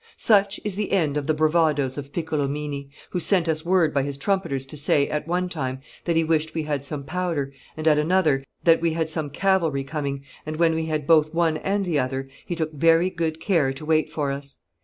Such is the end of the bravadoes of Piccolomini, who sent us word by his trumpeters to say, at one time, that he wished we had some powder, and, at another, that we had some cavalry coming, and, when we had both one and the other, he took very good care to wait for us.